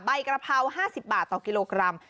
ใบกระเพรา๕๐บาทต่อกิโลกรัม